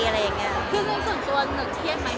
คือโดยส่วนตัวหนูเครียดไหม